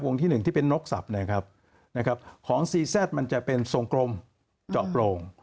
ที่หนึ่งที่เป็นนกสับนะครับของซีซัดมันจะเป็นทรงกลมเจาะโปร่ง